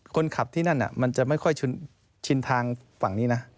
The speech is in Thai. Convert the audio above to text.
คนขับที่นั่นมันจะไม่ค่อยชินทางฝั่งนี้นะ